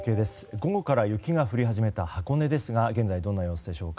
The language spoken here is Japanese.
午後から雪が降り始めた箱根ですが現在、どんな様子でしょうか。